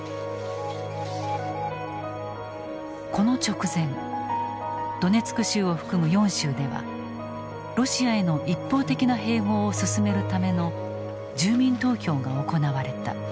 この直前ドネツク州を含む４州ではロシアへの一方的な併合を進めるための住民投票が行われた。